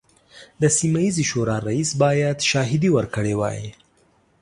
د سیمه ییزې شورا رئیس باید شاهدې ورکړي وای.